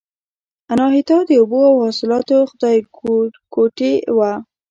اناهیتا د اوبو او حاصلاتو خدایګوټې وه